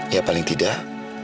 ya paling tidak